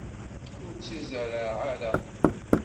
Ur tt-izerreε ara!